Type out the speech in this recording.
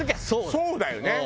そうだよね。